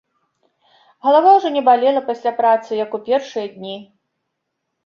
Галава ўжо не балела пасля працы, як у першыя дні.